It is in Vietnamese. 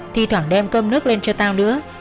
thì thoảng đem cơm nước lên cho tao nữa